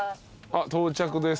到着です。